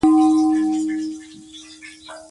افغانستان د کابل سیند له پلوه یو متنوع هیواد دی.